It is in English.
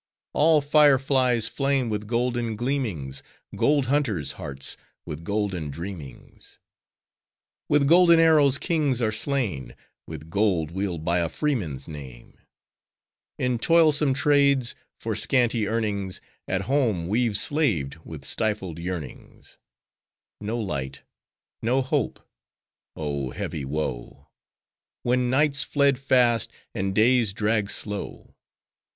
All fire flies flame with golden gleamings: Gold hunters' hearts with golden dreamings! With golden arrows kings are slain: With gold we'll buy a freeman's name! In toilsome trades, for scanty earnings, At home we've slaved, with stifled yearnings: No light! no hope! Oh, heavy woe! When nights fled fast, and days dragged slow.